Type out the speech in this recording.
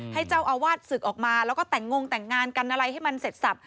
ให้เจ้าอาวาสศึกออกมาแล้วก็แต่งงแต่งงานกันอะไรให้มันเสร็จสับ